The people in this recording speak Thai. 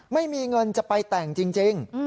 ไม่มีเงินจะไปแต่งจริง